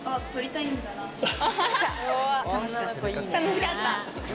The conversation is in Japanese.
楽しかった？